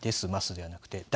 ではなくてだ・